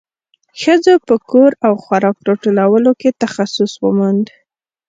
ښځو په کور او خوراک راټولولو کې تخصص وموند.